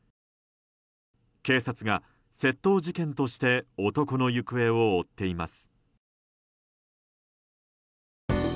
警察が窃盗事件として男の行方を追っています。